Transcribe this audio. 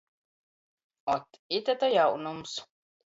Ot, ite to jaunums!